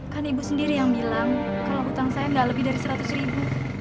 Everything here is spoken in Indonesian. kan ibu sendiri yang bilang kalau hutang saya nggak lebih dari seratus ribu